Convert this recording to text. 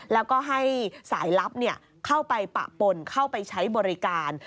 แล้วก็ให้สายลับเข้าไปปะปนเข้าไปใช้บริการ